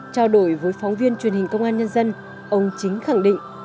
trao đổi với phóng viên truyền hình công an nhân dân ông chính khẳng định